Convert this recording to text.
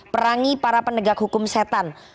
perangi para penegak hukum setan